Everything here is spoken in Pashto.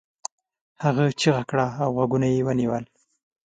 هغه چیغه کړه او غوږونه یې ونيول.